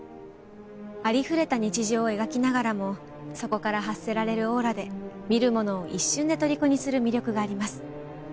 ありふれた日常を描きながらもそこから発せられるオーラで見る者を一瞬でとりこにする魅力があります。